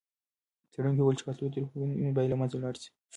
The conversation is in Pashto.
څېړونکي وویل چې کلتوري توپیرونه باید له منځه ولاړ سي.